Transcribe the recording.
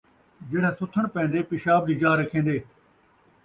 جیڑھا ستھݨ پین٘دے پیشاب دی جاہ رکھین٘دے